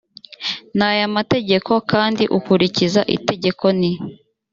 n aya mategeko kandi ukurikiza itegeko n